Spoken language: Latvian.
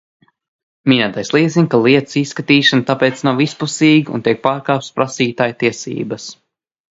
Minētais liecina, ka lietas izskatīšana tāpēc nav vispusīga un tiek pārkāptas prasītāja tiesības.